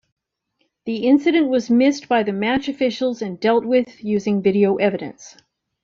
The incident was missed by the match officials and dealt with using video evidence.